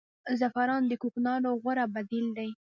زعفران د کوکنارو غوره بدیل دی